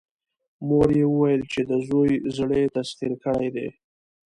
مور يې وويل چې د زوی زړه يې تسخير کړی دی.